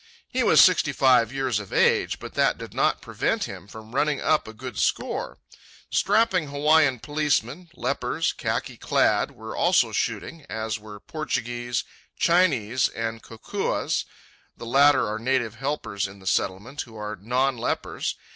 He was sixty five years of age, but that did not prevent him from running up a good score. Strapping Hawaiian policemen, lepers, khaki clad, were also shooting, as were Portuguese, Chinese, and kokuas—the latter are native helpers in the Settlement who are non lepers.